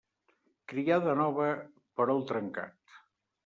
Criada nova, perol trencat.